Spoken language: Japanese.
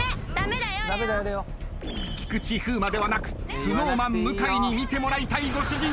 菊池風磨ではなくＳｎｏｗＭａｎ向井に見てもらいたいご主人。